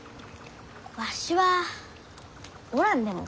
わしはおらんでも。